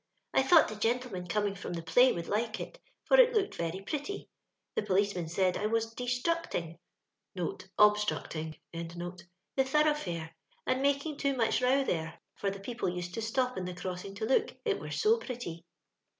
I thought the gentlemen coming from the play would like it, for it looked very pretty. The policeman said I was de structing (obstructuig) tho thoroughfare, and making too much row there, for the people used to stop in the crossing to look, it were so pretty.